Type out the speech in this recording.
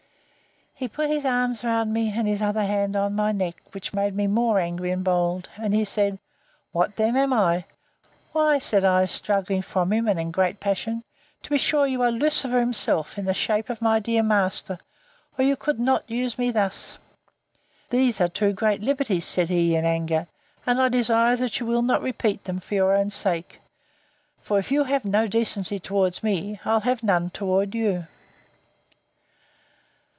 He put his arm round me, and his other hand on my neck, which made me more angry and bold: and he said, What then am I? Why, said I, (struggling from him, and in a great passion,) to be sure you are Lucifer himself, in the shape of my master, or you could not use me thus. These are too great liberties, said he, in anger; and I desire that you will not repeat them, for your own sake: For if you have no decency towards me, I'll have none towards you.